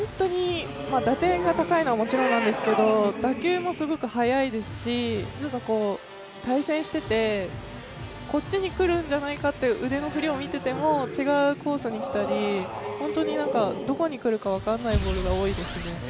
打点が速いのはもちろんなんですけど、打球もすごい速いですし、対戦してて、こっちに来るんじゃないかという腕の振りを見てても違うコースに来たり、本当にどこに来るか分からないボールが多いですね。